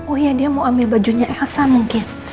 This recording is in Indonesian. oh iya dia mau ambil bajunya elsa mungkin